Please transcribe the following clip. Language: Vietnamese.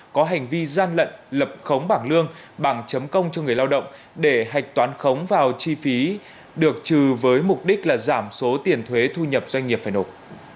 có hành vi gian lận lập khống bảng lương bằng chấm công cho người lao động để hạch toán khống vào chi phí được trừ với mục đích là giảm số tiền thuế thu nhập doanh nghiệp phải nộp